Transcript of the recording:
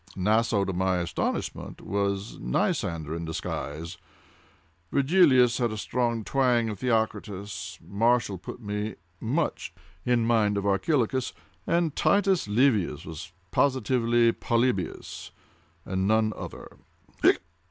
Naso, to my astonishment, was Nicander in disguise. Virgilius had a strong twang of Theocritus. Martial put me much in mind of Archilochus—and Titus Livius was positively Polybius and none other."